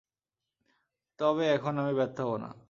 তবে এখন আমি ব্যর্থ হবো না।